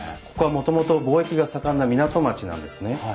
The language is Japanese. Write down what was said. ここはもともと貿易が盛んな港町なんですね。